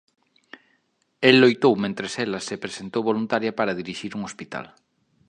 El loitou mentres ela se presentou voluntaria para dirixir un hospital.